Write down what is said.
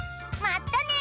まったね！